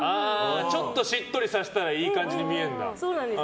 ちょっとしっとりさせたらいい感じに見えるんだ。